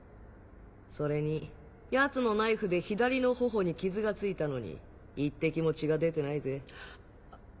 それにヤツのナイフで左の頬に傷がついたのに一滴も血が出てないぜ。